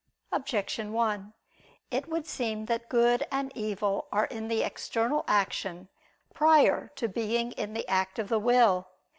Objection 1: It would seem that good and evil are in the external action prior to being in the act of the will.